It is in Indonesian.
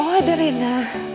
oh ada rena